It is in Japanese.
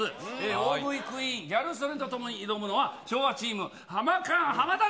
大食いクイーン、ギャル曽根と共に挑むのは、昭和チーム、ハマカーン・浜谷。